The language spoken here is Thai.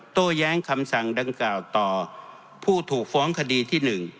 โต้แย้งคำสั่งดังกล่าวต่อผู้ถูกฟ้องคดีที่๑